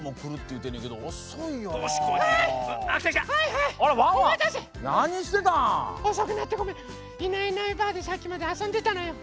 「いないいないばあっ！」でさっきまであそんでたのよ。